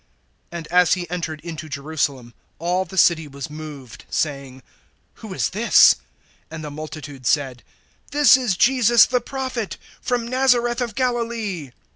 (10)And as he entered into Jerusalem, all the city was moved, saying: Who is this? (11)And the multitudes said: This is Jesus the prophet, from Nazareth of Galilee.